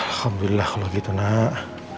alhamdulillah kalau gitu nak